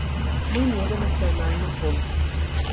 Мы мелі нацыянальны полк.